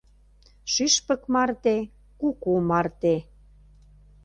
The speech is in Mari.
Шӱшпык марте, куку марте